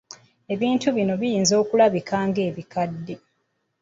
Ebintu bino biyinza okulabika ng'ebikadde.